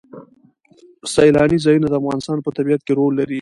سیلاني ځایونه د افغانستان په طبیعت کې رول لري.